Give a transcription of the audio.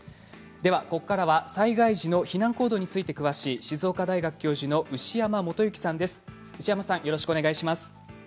ではここからは災害時の避難行動について詳しい静岡大学教授の牛山素行さんです。